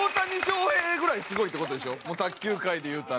もう卓球界で言うたら。